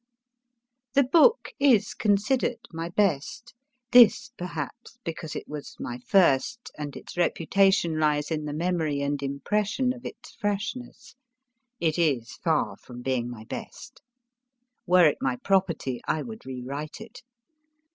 The book is considered my best this, perhaps, because it was my first, and its reputation lies in the memory and impression of its freshness. It is far from being my best. Were it my property I would re write it.